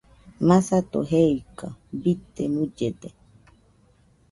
Masato jeika bite mullede.